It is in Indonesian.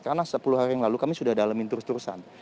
karena sepuluh hari yang lalu kami sudah dalamin terus terusan